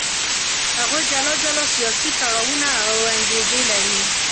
هغوی جلا جلا سیاسي تړاوونه او انګېزې لري.